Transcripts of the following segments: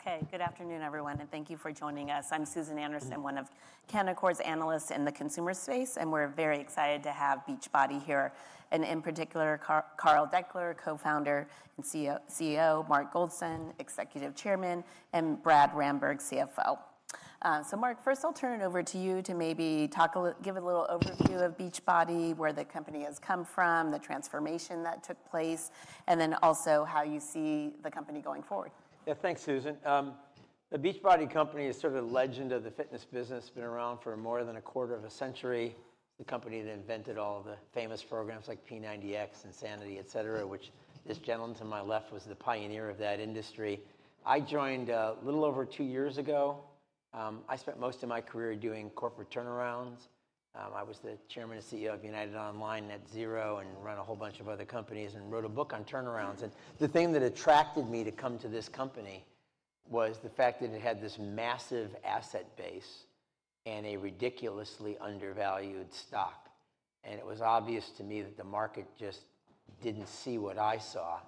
Okay, good afternoon everyone, and thank you for joining us. I'm Susan Anderson, one of Canaccord analysts in the consumer space, and we're very excited to have The Beachbody here, and in particular, Carl Daikeler, Co-Founder and CEO, Mark Goldston, Executive Chairman, and Brad Ramberg, CFO. Mark, first I'll turn it over to you to maybe talk a little, give a little overview of The Beachbody, where the company has come from, the transformation that took place, and then also how you see the company going forward. Yeah, thanks, Susan. The Beachbody Company is sort of a legend of the fitness business. It's been around for more than a quarter of a century. The company that invented all the famous programs like P90X and Insanity, et cetera, which this gentleman to my left was the pioneer of that industry. I joined a little over two years ago. I spent most of my career doing corporate turnarounds. I was the Chairman and CEO of United Online NetZero and ran a whole bunch of other companies and wrote a book on turnarounds. The thing that attracted me to come to this company was the fact that it had this massive asset base and a ridiculously undervalued stock. It was obvious to me that the market just didn't see what I saw.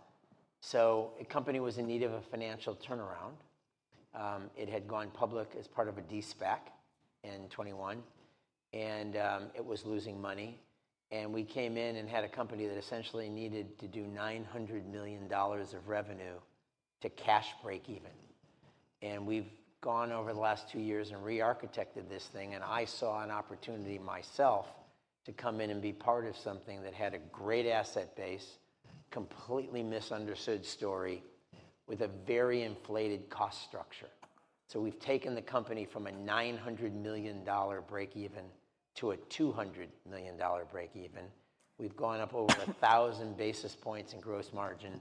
A company was in need of a financial turnaround. It had gone public as part of a de-SPAC in 2021, and it was losing money. We came in and had a company that essentially needed to do $900 million of revenue to cash break even. We've gone over the last two years and re-architected this thing, and I saw an opportunity myself to come in and be part of something that had a great asset base, completely misunderstood story, with a very inflated cost structure. We've taken the company from a $900 million break even to a $200 million break even. We've gone up over 1,000 basis points in gross margin,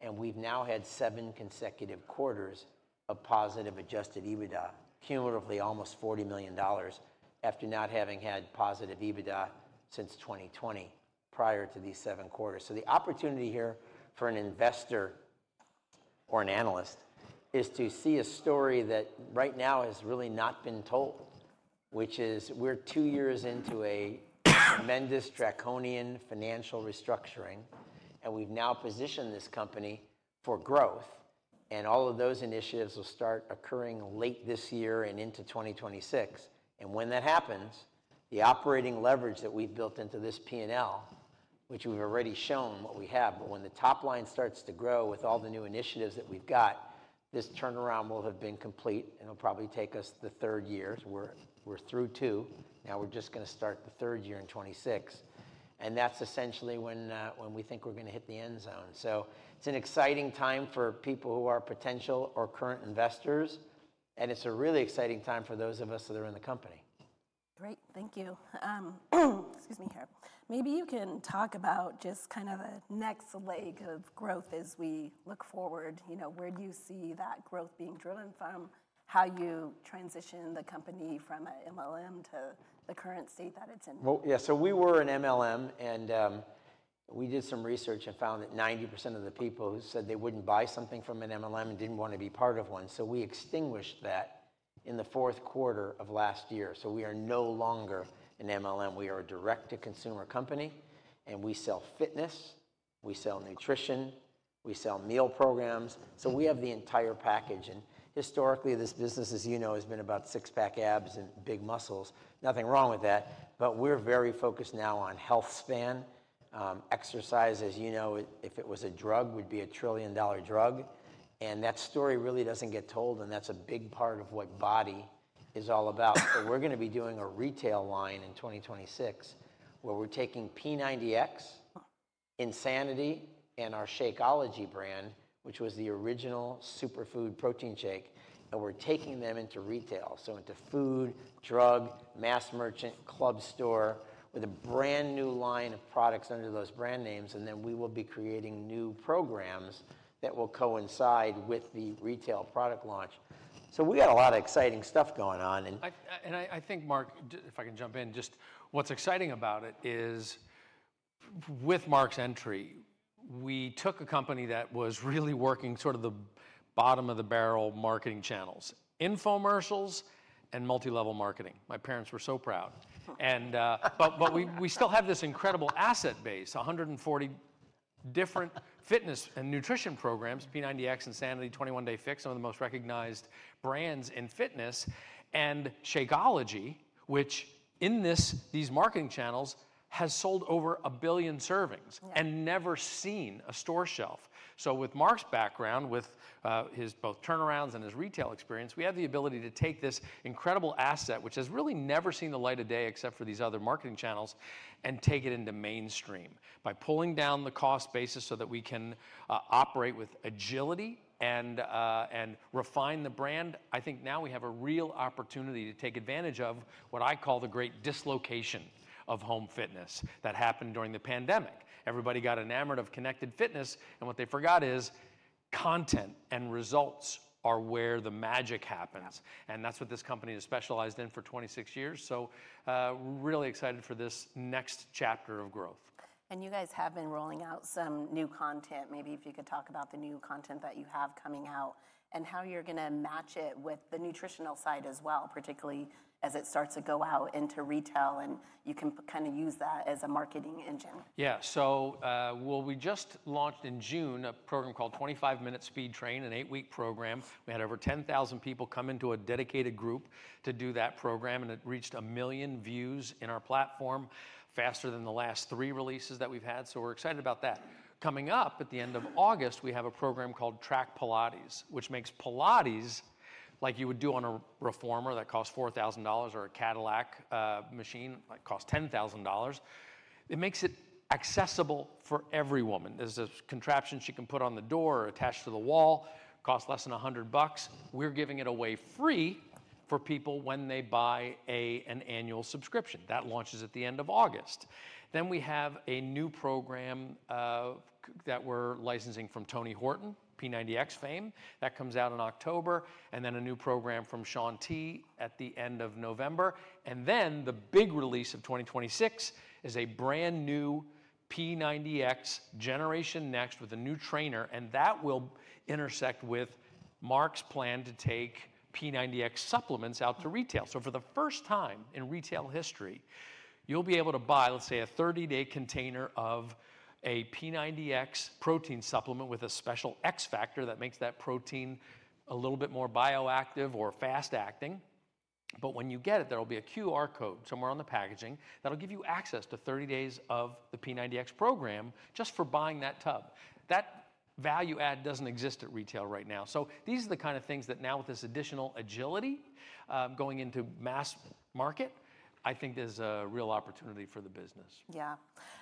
and we've now had seven consecutive quarters of positive adjusted EBITDA, cumulatively almost $40 million, after not having had positive EBITDA since 2020, prior to these seven quarters. The opportunity here for an investor or an analyst is to see a story that right now has really not been told, which is we're two years into a mendistraconian financial restructuring, and we've now positioned this company for growth, and all of those initiatives will start occurring late this year and into 2026. When that happens, the operating leverage that we've built into this P&L, which we've already shown what we have, but when the top line starts to grow with all the new initiatives that we've got, this turnaround will have been complete, and it'll probably take us the third year. We're through two. Now we're just going to start the third year in 2026. That's essentially when we think we're going to hit the end zone. It's an exciting time for people who are potential or current investors, and it's a really exciting time for those of us that are in the company. Great, thank you. Maybe you can talk about just kind of the next leg of growth as we look forward. You know, where do you see that growth being driven from? How you transition the company from an MLM to the current state that it's in? We were an MLM and we did some research and found that 90% of the people said they wouldn't buy something from an MLM and didn't want to be part of one. We extinguished that in the fourth quarter of last year. We are no longer an MLM. We are a direct-to-consumer company and we sell fitness, we sell nutrition, we sell meal programs. We have the entire package. Historically, this business, as you know, has been about six-pack abs and big muscles. Nothing wrong with that. We're very focused now on healthspan, exercise. As you know, if it was a drug, it would be a trillion-dollar drug. That story really doesn't get told, and that's a big part of what BODi is all about. We are going to be doing a retail line in 2026 where we're taking P90X, Insanity, and our Shakeology brand, which was the original superfood protein shake, and we're taking them into retail, into food, drug, mass merchant, club store, with a brand new line of products under those brand names. We will be creating new programs that will coincide with the retail product launch. We got a lot of exciting stuff going on. I think, Mark, if I can jump in, what's exciting about it is with Mark's entry, we took a company that was really working sort of the bottom of the barrel marketing channels, infomercials, and multi-level marketing. My parents were so proud. We still have this incredible asset base, 140 different fitness and nutrition programs, P90X, Insanity, 21 Day Fix, some of the most recognized brands in fitness, and Shakeology, which in these marketing channels have sold over a billion servings and never seen a store shelf. With Mark's background, with his both turnarounds and his retail experience, we have the ability to take this incredible asset, which has really never seen the light of day except for these other marketing channels, and take it into mainstream by pulling down the cost basis so that we can operate with agility and refine the brand. I think now we have a real opportunity to take advantage of what I call the great dislocation of home fitness that happened during the pandemic. Everybody got enamored of connected fitness, and what they forgot is content and results are where the magic happens. That's what this company has specialized in for 26 years. We're really excited for this next chapter of growth. You guys have been rolling out some new content. Maybe if you could talk about the new content that you have coming out and how you're going to match it with the nutritional side as well, particularly as it starts to go out into retail and you can kind of use that as a marketing engine. Yeah, we just launched in June a program called 25 Minute Speed Train, an eight-week program. We had over 10,000 people come into a dedicated group to do that program, and it reached a million views in our platform faster than the last three releases that we've had. We're excited about that. Coming up at the end of August, we have a program called Track Pilates, which makes Pilates like you would do on a reformer that costs $4,000 or a Cadillac machine that costs $10,000. It makes it accessible for every woman. There's a contraption she can put on the door or attach to the wall. It costs less than $100. We're giving it away free for people when they buy an annual subscription. That launches at the end of August. We have a new program that we're licensing from Tony Horton, P90X fame, that comes out in October. A new program from Shaun T at the end of November. The big release of 2026 is a brand new P90X Generation Next with a new trainer, and that will intersect with Mark's plan to take P90X supplements out to retail. For the first time in retail history, you'll be able to buy, let's say, a 30-day container of a P90X protein supplement with a special X factor that makes that protein a little bit more bioactive or fast-acting. When you get it, there'll be a QR code somewhere on the packaging that'll give you access to 30 days of the P90X program just for buying that tub. That value add doesn't exist at retail right now. These are the kind of things that now with this additional agility, going into mass market, I think there's a real opportunity for the business. Yeah.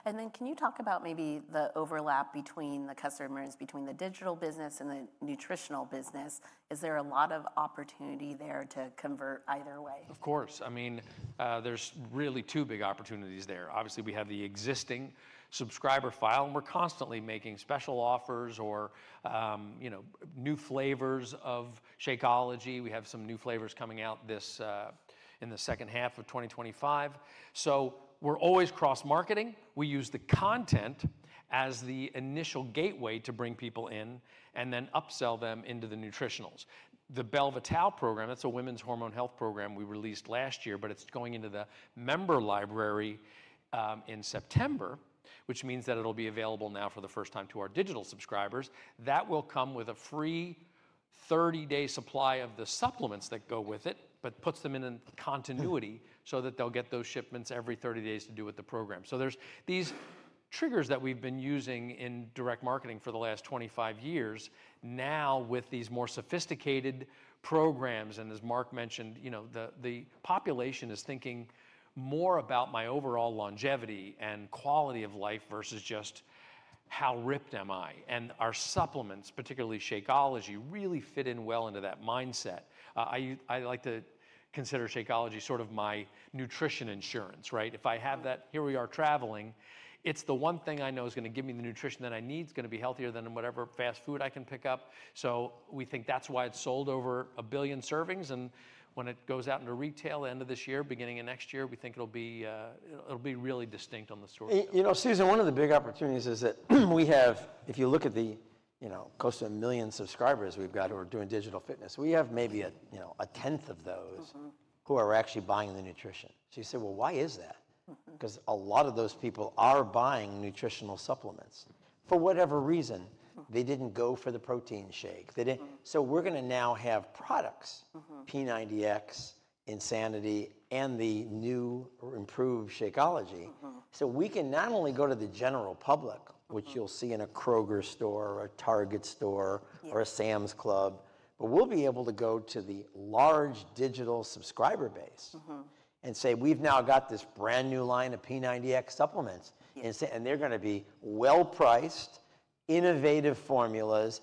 Can you talk about maybe the overlap between the customers, between the digital business and the nutritional business? Is there a lot of opportunity there to convert either way? Of course. I mean, there's really two big opportunities there. Obviously, we have the existing subscriber file and we're constantly making special offers or, you know, new flavors of Shakeology. We have some new flavors coming out in the second half of 2025. We're always cross-marketing. We use the content as the initial gateway to bring people in and then upsell them into the nutritionals. The Belle Vitale program, that's a women's hormone health program we released last year, is going into the member library in September, which means that it'll be available now for the first time to our digital subscribers. That will come with a free 30-day supply of the supplements that go with it, but puts them in continuity so that they'll get those shipments every 30 days to do with the program. There are these triggers that we've been using in direct marketing for the last 25 years. Now, with these more sophisticated programs, and as Mark mentioned, the population is thinking more about my overall longevity and quality of life versus just how ripped am I. Our supplements, particularly Shakeology, really fit in well into that mindset. I like to consider Shakeology sort of my nutrition insurance, right? If I have that, here we are traveling, it's the one thing I know is going to give me the nutrition that I need. It's going to be healthier than whatever fast food I can pick up. We think that's why it's sold over a billion servings. When it goes out into retail at the end of this year, beginning of next year, we think it'll be really distinct on the store. You know, Susan, one of the big opportunities is that we have, if you look at the, you know, close to a million subscribers we've got who are doing digital fitness, we have maybe a, you know, 1/10 of those who are actually buying the nutrition. You say, why is that? Because a lot of those people are buying nutritional supplements. For whatever reason, they didn't go for the protein shake. They didn't. We are going to now have products, P90X, Insanity, and the new or improved Shakeology. We can not only go to the general public, which you'll see in a Kroger store or a Target store or a Sam’s Club, but we'll be able to go to the large digital subscriber base and say, we've now got this brand new line of P90X supplements, and they're going to be well-priced, innovative formulas.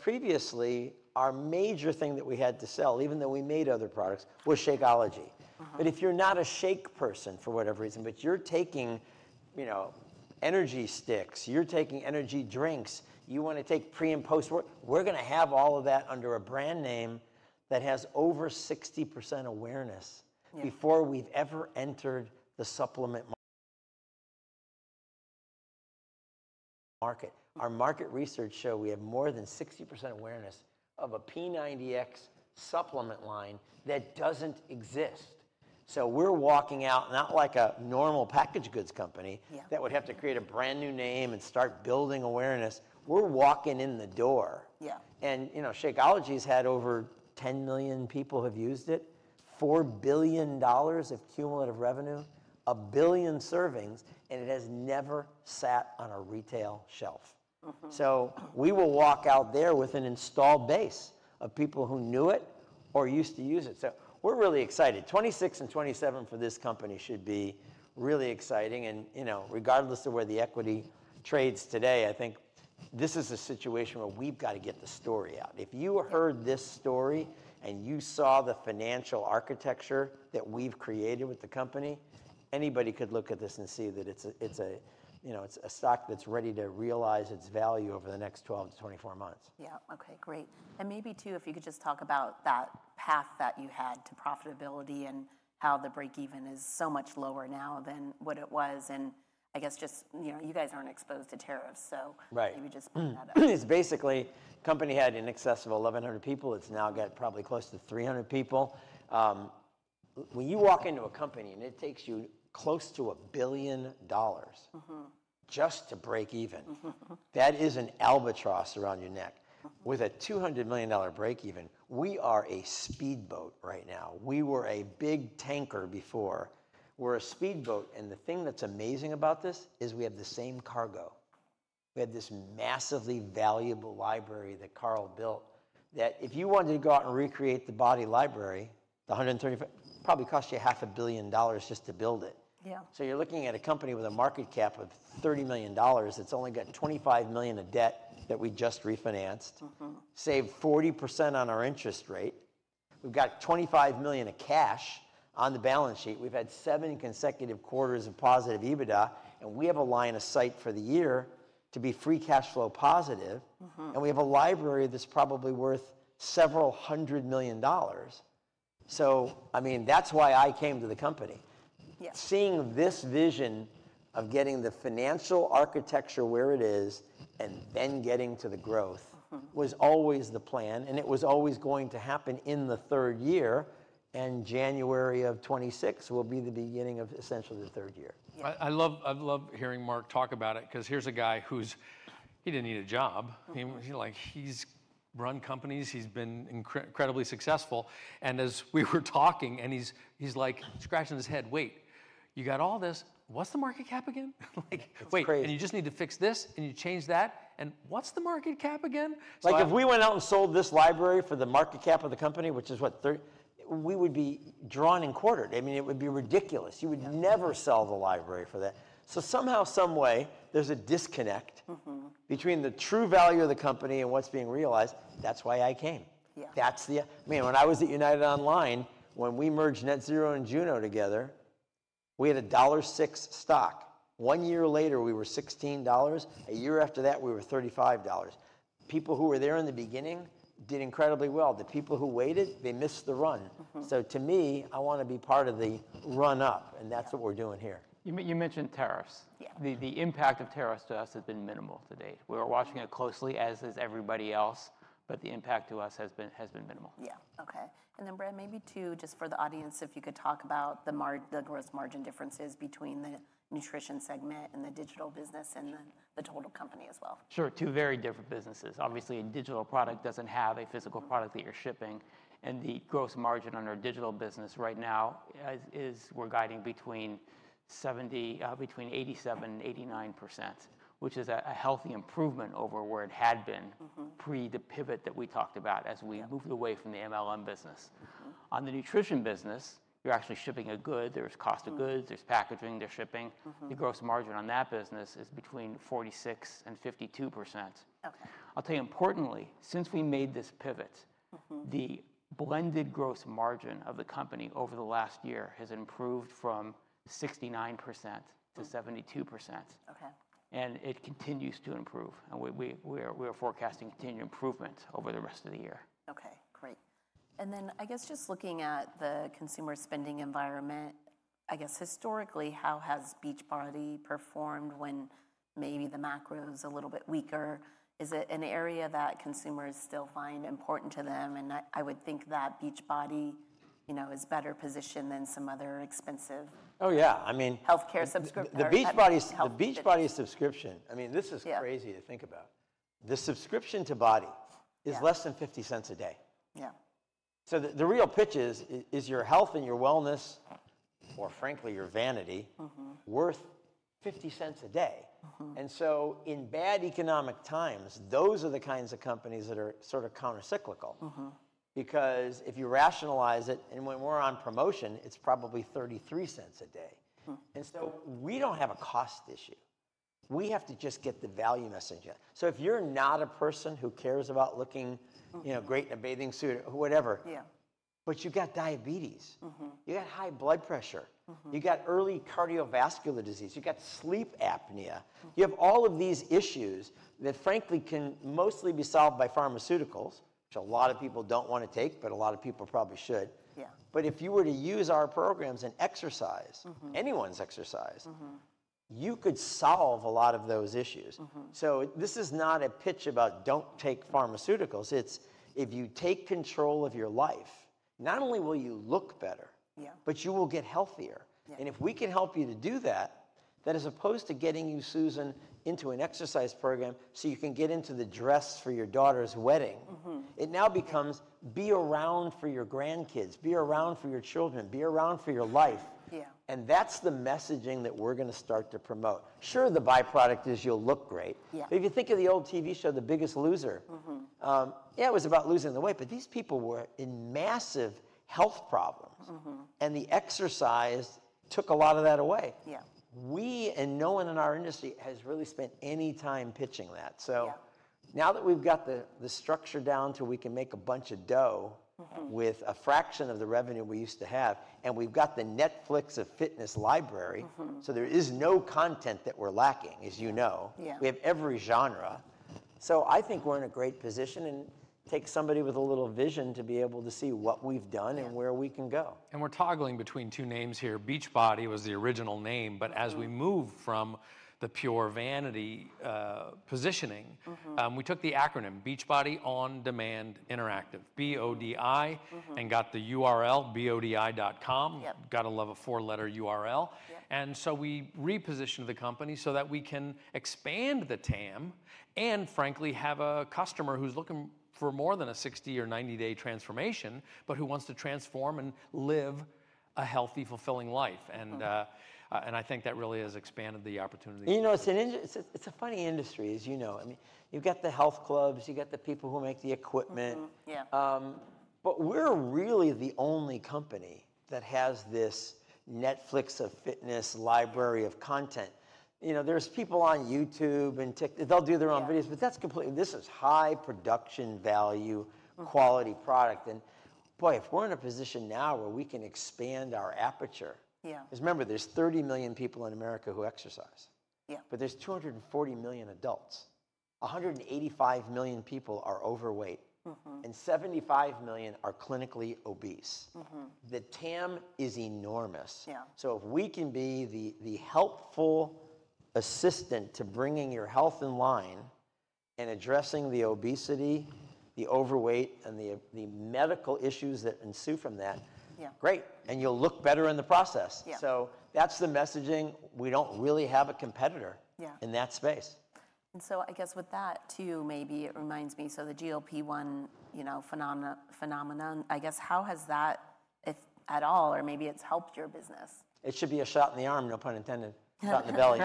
Previously, our major thing that we had to sell, even though we made other products, was Shakeology. If you're not a shake person for whatever reason, but you're taking, you know, energy sticks, you're taking energy drinks, you want to take pre and post work, we're going to have all of that under a brand name that has over 60% awareness before we've ever entered the supplement market. Our market research showed we have more than 60% awareness of a P90X supplement line that doesn't exist. We are walking out, not like a normal packaged goods company that would have to create a brand new name and start building awareness. We are walking in the door. Shakeology has had over 10 million people who have used it, $4 billion of cumulative revenue, a billion servings, and it has never sat on a retail shelf. We will walk out there with an installed base of people who knew it or used to use it. We are really excited. 2026 and 2027 for this company should be really exciting. Regardless of where the equity trades today, I think this is a situation where we've got to get the story out. If you heard this story and you saw the financial architecture that we've created with the company, anybody could look at this and see that it's a, you know, it's a stock that's ready to realize its value over the next 12-24 months. Okay, great. Maybe too, if you could just talk about that path that you had to profitability and how the break-even is so much lower now than what it was. I guess just, you know, you guys aren't exposed to tariffs, so maybe just point that out. It's basically, the company had in excess of 1,100 people. It's now got probably close to 300 people. When you walk into a company and it takes you close to $1 billion, just to break even, that is an albatross around your neck. With a $200 million break even, we are a speedboat right now. We were a big tanker before. We're a speedboat, and the thing that's amazing about this is we have the same cargo. We have this massively valuable library that Carl built that if you wanted to go out and recreate the BODi library, the 135, probably cost you half a billion dollars just to build it. You're looking at a company with a market cap of $30 million that's only got $25 million of debt that we just refinanced, saved 40% on our interest rate. We've got $25 million of cash on the balance sheet. We've had seven consecutive quarters of positive EBITDA, and we have a line of sight for the year to be free cash flow positive. We have a library that's probably worth several hundred million dollars. That's why I came to the company. Seeing this vision of getting the financial architecture where it is and then getting to the growth was always the plan, and it was always going to happen in the third year. January of 2026 will be the beginning of essentially the third year. I love hearing Mark talk about it because here's a guy who didn't need a job. He's run companies. He's been incredibly successful. As we were talking, he's like scratching his head, wait, you got all this, what's the market cap again? Wait, you just need to fix this and you change that, and what's the market cap again? Like if we went out and sold this library for the market cap of the company, which is what, $3, we would be drawn and quartered. I mean, it would be ridiculous. You would never sell the library for that. Somehow, some way, there's a disconnect between the true value of the company and what's being realized. That's why I came. When I was at United Online, when we merged NetZero and Juno together, we had a $1.06 stock. One year later, we were $16. A year after that, we were $35. People who were there in the beginning did incredibly well. The people who waited missed the run. To me, I want to be part of the run-up, and that's what we're doing here. You mentioned tariffs. The impact of tariffs to us has been minimal to date. We're watching it closely, as is everybody else, but the impact to us has been minimal. Okay. Brad, maybe too, just for the audience, if you could talk about the gross margin differences between the nutrition segment and the digital business and then the total company as well. Sure, two very different businesses. Obviously, a digital product doesn't have a physical product that you're shipping, and the gross margin on our digital business right now is, we're guiding between 87% and 89%, which is a healthy improvement over where it had been pre the pivot that we talked about as we moved away from the MLM business. On the nutrition business, you're actually shipping a good, there's cost of goods, there's packaging, there's shipping. The gross margin on that business is between 46% and 52%. I'll tell you, importantly, since we made this pivot, the blended gross margin of the company over the last year has improved from 69% to 72%. It continues to improve, and we are forecasting continued improvement over the rest of the year. Okay, great. I guess just looking at the consumer spending environment, historically, how has Beachbody performed when maybe the macro is a little bit weaker? Is it an area that consumers still find important to them? I would think that The Beachbody Company is better positioned than some other expensive. Oh yeah, I mean, healthcare subscription. The Beachbody subscription, I mean, this is crazy to think about. The subscription to BODi is less than $0.50 a day. Yeah, so the real pitch is, is your health and your wellness, or frankly your vanity, worth $0.50 a day? In bad economic times, those are the kinds of companies that are sort of countercyclical. Mm-hmm, because if you rationalize it, and when we're on promotion, it's probably $0.33 a day. We don't have a cost issue. We have to just get the value message out. If you're not a person who cares about looking, you know, great in a bathing suit or whatever, yeah, but you got diabetes, you got high blood pressure, you got early cardiovascular disease, you got sleep apnea, you have all of these issues that frankly can mostly be solved by pharmaceuticals, which a lot of people don't want to take, but a lot of people probably should. Yeah, but if you were to use our programs and exercise, anyone's exercise, you could solve a lot of those issues. This is not a pitch about don't take pharmaceuticals. If you take control of your life, not only will you look better, but you will get healthier. If we can help you to do that, that is opposed to getting you, Susan, into an exercise program so you can get into the dress for your daughter's wedding. It now becomes be around for your grandkids, be around for your children, be around for your life. Yeah, and that's the messaging that we're going to start to promote. Sure, the byproduct is you'll look great. If you think of the old TV show, The Biggest Loser, yeah, it was about losing the weight, but these people were in massive health problems, and the exercise took a lot of that away. We and no one in our industry has really spent any time pitching that. Now that we've got the structure down to we can make a bunch of dough with a fraction of the revenue we used to have, and we've got the Netflix of fitness library, there is no content that we're lacking, as you know, we have every genre. I think we're in a great position and take somebody with a little vision to be able to see what we've done and where we can go. We're toggling between two names here. Beachbody was the original name, but as we move from the pure vanity positioning, we took the acronym Beachbody On Demand Interactive, BODi, and got the URL, bodi.com. Got to love a four-letter URL. We repositioned the company so that we can expand the TAM and frankly have a customer who's looking for more than a 60 or 90-day transformation, but who wants to transform and live a healthy, fulfilling life. I think that really has expanded the opportunity. You know, it's a funny industry, as you know. I mean, you've got the health clubs, you've got the people who make the equipment. We're really the only company that has this Netflix of fitness library of content. There are people on YouTube and TikTok, they'll do their own videos, but that's completely different. This is high production value quality product. If we're in a position now where we can expand our aperture, yeah, because remember, there's 30 million people in America who exercise. There's 240 million adults. 185 million people are overweight, and 75 million are clinically obese. The TAM is enormous. If we can be the helpful assistant to bringing your health in line and addressing the obesity, the overweight, and the medical issues that ensue from that, great, and you'll look better in the process. That's the messaging. We don't really have a competitor in that space. I guess with that too, maybe it reminds me, the GLP-1, you know, phenomenon, I guess how has that, if at all, or maybe it's helped your business? It should be a shot in the arm, no pun intended, shot in the belly.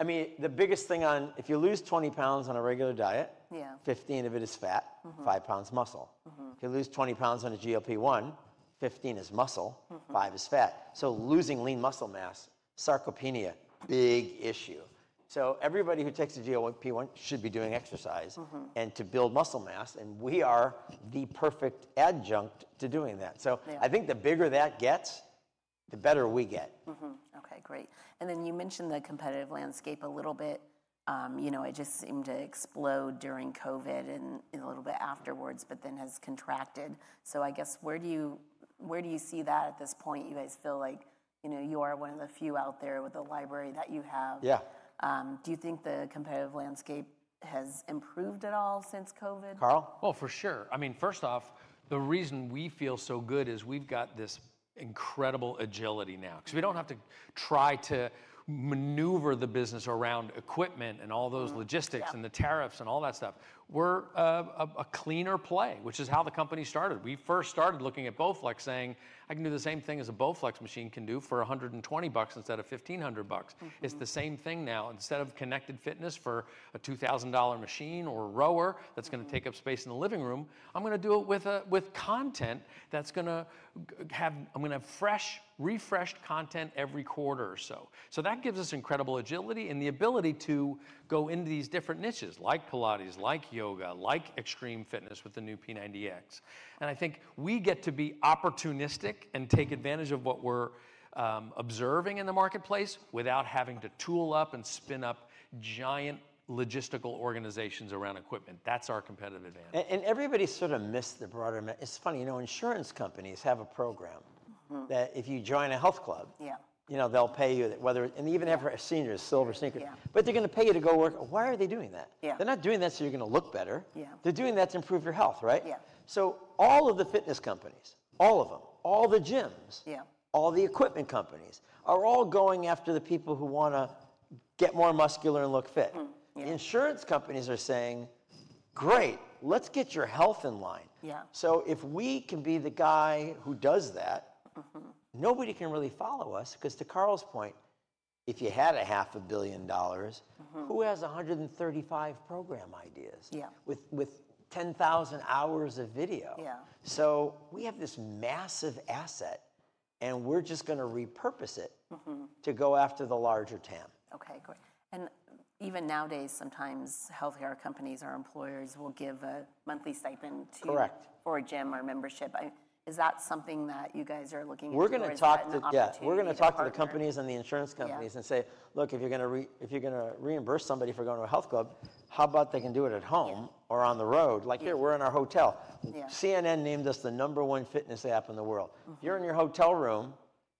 I mean, the biggest thing on, if you lose 20 lbs on a regular diet, yeah, 15 of it is fat, 5 lbs muscle. If you lose 20 lbs on a GLP-1, 15 is muscle, 5 is fat. Losing lean muscle mass, sarcopenia, big issue. Everybody who takes a GLP-1 should be doing exercise to build muscle mass, and we are the perfect adjunct to doing that. I think the bigger that gets, the better we get. Okay, great. You mentioned the competitive landscape a little bit. It just seemed to explode during COVID and a little bit afterwards, but then has contracted. I guess where do you see that at this point? You guys feel like you are one of the few out there with the library that you have. Do you think the competitive landscape has improved at all since COVID? Carl? I mean, first off, the reason we feel so good is we've got this incredible agility now because we don't have to try to maneuver the business around equipment and all those logistics and the tariffs and all that stuff. We're a cleaner play, which is how the company started. We first started looking at Bowflex, saying, I can do the same thing as a Bowflex machine can do for $120 instead of $1,500. It's the same thing now. Instead of Connected Fitness for a $2,000 machine or a rower that's going to take up space in the living room, I'm going to do it with content that's going to have, I'm going to have fresh, refreshed content every quarter or so. That gives us incredible agility and the ability to go into these different niches like Pilates, like yoga, like extreme fitness with the new P90X. I think we get to be opportunistic and take advantage of what we're observing in the marketplace without having to tool up and spin up giant logistical organizations around equipment. That's our competitive advantage. Everybody sort of missed the broader. It's funny, you know, insurance companies have a program that if you join a health club, you know, they'll pay you, and even if a senior is a silver sinker, they're going to pay you to go work. Why are they doing that? They're not doing that so you're going to look better. They're doing that to improve your health, right? All of the fitness companies, all of them, all the gyms, all the equipment companies are all going after the people who want to get more muscular and look fit. The insurance companies are saying, great, let's get your health in line. If we can be the guy who does that, nobody can really follow us because to Carl's point, if you had half a billion dollars, who has 135 program ideas with 10,000 hours of video? We have this massive asset and we're just going to repurpose it to go after the larger TAM. Okay, great. Even nowadays, sometimes healthcare companies or employers will give a monthly stipend to, correct, for a gym or membership. Is that something that you guys are looking at? We're going to talk to the companies and the insurance companies and say, look, if you're going to reimburse somebody for going to a health club, how about they can do it at home or on the road? Like here, we're in our hotel. CNN named us the number one fitness app in the world. You're in your hotel room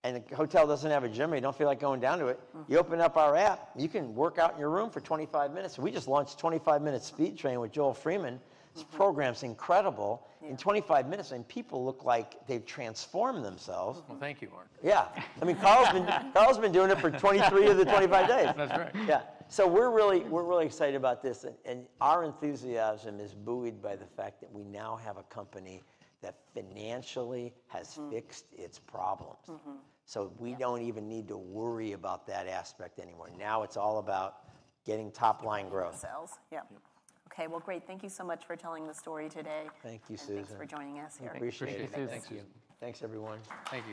and the hotel doesn't have a gym or you don't feel like going down to it. You open up our app, you can work out in your room for 25 minutes. We just launched 25 Minute Speed Train with Joel Freeman. His program's incredible. In 25 minutes, I mean, people look like they've transformed themselves. Thank you, Mark. Yeah, I mean, Carl's been doing it for 23 years and 25 days. That's right. Yeah, we're really excited about this. Our enthusiasm is buoyed by the fact that we now have a company that financially has fixed its problems. We don't even need to worry about that aspect anymore. Now it's all about getting top line growth. Sales. Okay, great. Thank you so much for telling the story today. Thank you, Susan. Thank you for joining us. Appreciate it. Thank you. Thanks, everyone. Thank you.